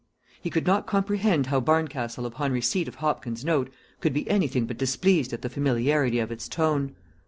He could not comprehend how Barncastle upon receipt of Hopkins' note could be anything but displeased at the familiarity of its tone.